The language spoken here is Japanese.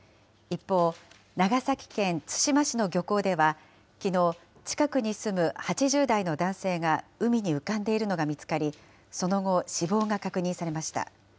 一方、長崎県対馬市の漁港では、きのう、近くに住む８０代の男性が海に浮かんでいるのが見つかり、その後、死亡が確認されました。